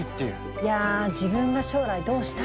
いや自分が将来どうしたいのか。